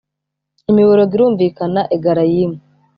imiborogo irumvikanira i Egalayimu,